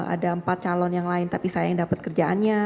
ada empat calon yang lain tapi saya yang dapat kerjaannya